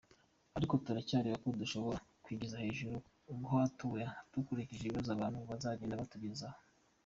Ariko turacyareba ko dushobora kwigiza hejuru ho gatoya dukurikije ibibazo abantu bazagenda batugezaho.